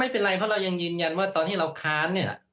ไม่เป็นไรเพราะเรายังยืนยันว่าตอนที่เราค้านเนี่ย